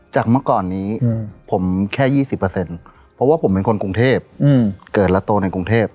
จากมาก่อนนี้ผมแค่ยี่สิบเปอร์เซ็นต์เพราะว่าผมเป็นคนกรุงเทพเกิดและโตในกรุงเทพ